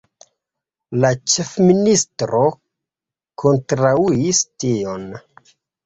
La ĉefministro kontraŭis tion.